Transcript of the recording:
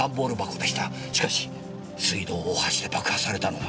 しかし水道大橋で爆破されたのは。